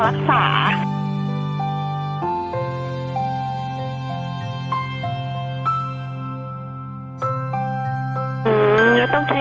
สวัสดีครับ